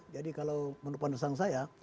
jadi kalau menurut penesangan saya